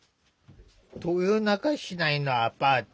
豊中市内のアパート。